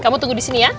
kamu tunggu di sini ya